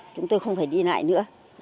chúng tôi không phải đi lại nữa